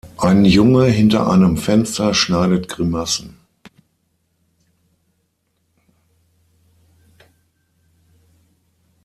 Ein Junge hinter einem Fenster schneidet Grimassen.